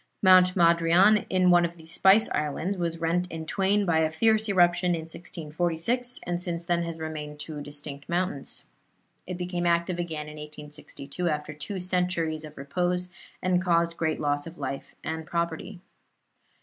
Mount Madrian in one of the Spice Islands, was rent in twain by a fierce eruption in 1646, and since then has remained two distinct mountains. It became active again in 1862, after two centuries of repose, and caused great loss of life and property.